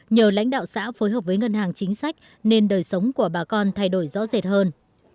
nhờ lãnh đạo xã phối hợp với ngân hàng chính sách nên đời sống của bà con thay đổi rõ rệt hơn